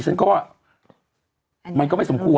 ฉันก็มันก็ไม่สมควร